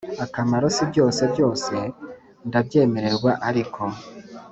akamaro si byose Byose ndabyemererwa ariko